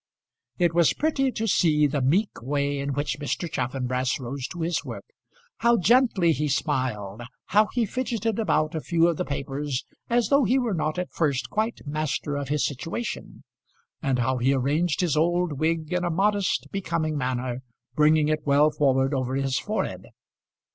It was pretty to see the meek way in which Mr. Chaffanbrass rose to his work; how gently he smiled, how he fidgeted about a few of the papers as though he were not at first quite master of his situation, and how he arranged his old wig in a modest, becoming manner, bringing it well forward over his forehead.